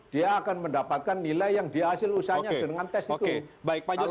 dia akan mendapatkan nilai yang dihasil usahanya dengan tes itu